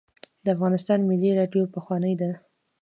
د افغانستان ملي راډیو پخوانۍ ده